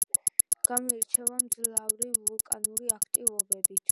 გამოირჩევა მძლავრი ვულკანური აქტივობით.